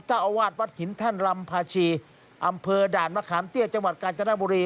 เจ้าอาวาสวัดหินแท่นลำพาชีอำเภอด่านมะขามเตี้ยจังหวัดกาญจนบุรี